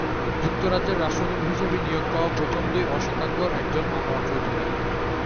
যুক্তরাজ্যের রাষ্ট্রদূত হিসেবে নিয়োগ পাওয়া প্রথম দুই অশ্বেতাঙ্গর একজন আনোয়ার চৌধুরী।